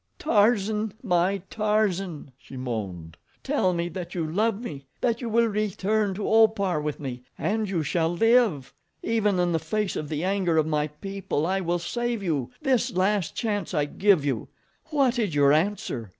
"Tarzan, my Tarzan!" she moaned, "tell me that you love me—that you will return to Opar with me—and you shall live. Even in the face of the anger of my people I will save you. This last chance I give you. What is your answer?"